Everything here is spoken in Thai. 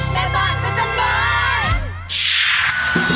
แม่บ้านพระเจ้าบ้าน